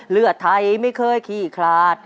เลือดไทยไม่เคยขี้คลาด